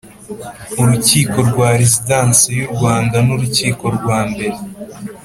urukiko rwa Rezidansi y u Rwanda nurukiko rwa mbere